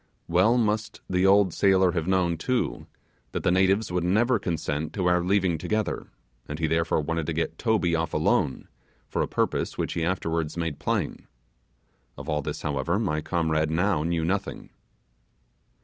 Well must the old sailor have known, too, that the natives would never consent to our leaving together, and he therefore wanted to get Toby off alone, for a purpose which he afterwards made plain. Of all this, however, my comrade now knew nothing.